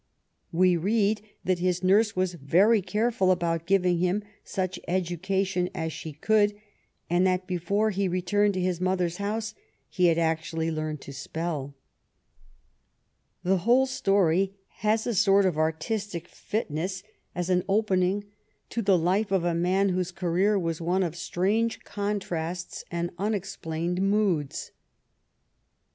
We read that his nurse was very careful about giving him such educa tion as she could, and that before he returned to his mother's house he had actually learned to spelL The whole story has a sort of artistic fitness as an opening to the life of a man whose career was one of strange contrasts and unexplained moods.